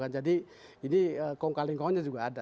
jadi ini kongkaling kongnya juga ada